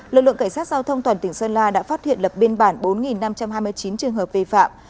lực lượng cảnh sát giao thông toàn tỉnh sơn la đã phát hiện lập biên bản bốn năm trăm hai mươi chín trường hợp vi phạm